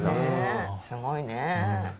すごいね。